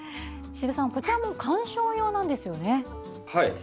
こちらも観賞用なんですよね。